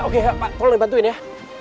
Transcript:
oke tolong dibantuin ya